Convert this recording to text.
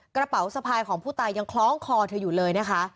กระเป๋าสะพายของผู้ตายยังคล้องคอเธออยู่เลยนะคะ